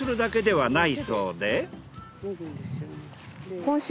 はい。